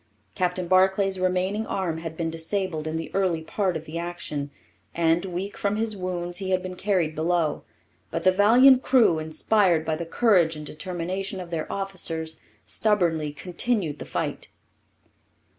Captain Barclay's remaining arm had been disabled in the early part of the action, and, weak from his wounds, he had been carried below. But the valiant crew, inspired by the courage and determination of their officers, stubbornly continued the fight.